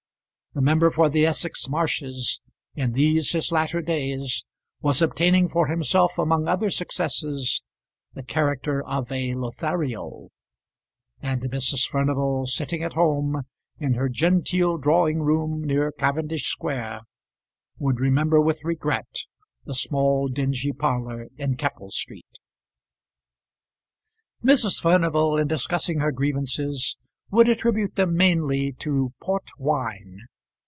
The member for the Essex Marshes, in these his latter days, was obtaining for himself among other successes the character of a Lothario; and Mrs. Furnival, sitting at home in her genteel drawing room near Cavendish Square, would remember with regret the small dingy parlour in Keppel Street. Mrs. Furnival in discussing her grievances would attribute them mainly to port wine.